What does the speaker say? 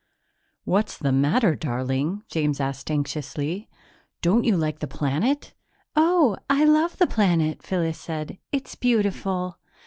"What's the matter, darling?" James asked anxiously. "Don't you like the planet?" "Oh, I love the planet," Phyllis said. "It's beautiful."